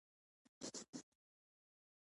قطب الدین ایبک لومړی سلطان شو.